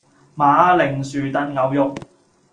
馬鈴薯燉牛肉